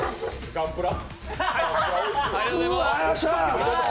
ガンプラ。